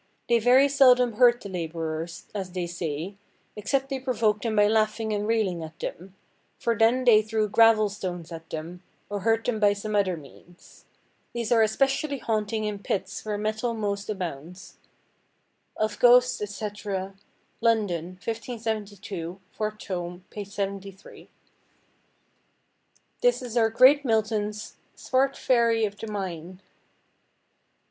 They very seldome hurte the labourers (as they say) except they provoke them by laughing and rayling at them, for then they threw gravel stones at them, or hurt them by some other means. These are especially haunting in pittes where mettall moste aboundeth."—(Of ghostes, etc., London, 1572, 4to, p. 73.) This is our great Milton's "Swart faëry of the mine."